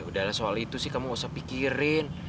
udah ada soal itu sih kamu gak usah pikirin